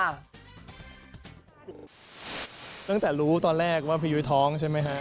ตั้งแต่รู้ตอนแรกว่าพี่ยุ้ยท้องใช่ไหมฮะ